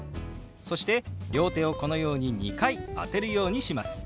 そして両手をこのように２回当てるようにします。